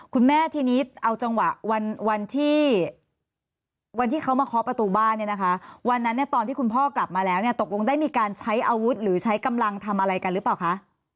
คุณแม่ทีนี้เอาจังหวะวันที่วันที่เขามาเคาะประตูบ้านเนี่ยนะคะวันนั้นเนี่ยตอนที่คุณพ่อกลับมาแล้วเนี่ยตกลงได้มีการใช้อาวุธหรือใช้กำลังทำอะไรกันหรือเปล่าคะ